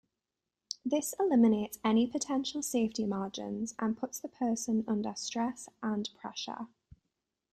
This eliminates any potential safety margins and puts the person under stress and pressure.